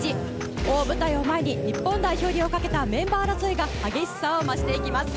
大舞台を前に日本代表入りをかけたメンバー争いが激しさを増していきます。